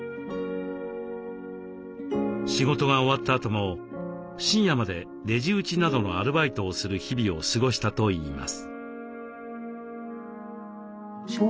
仕事が終わったあとも深夜までレジ打ちなどのアルバイトをする日々を過ごしたといいます。